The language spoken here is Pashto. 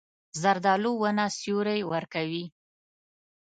زردالو ونه سیوری ورکوي.